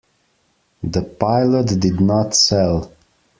The pilot did not sell.